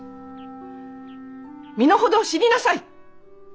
身の程を知りなさい！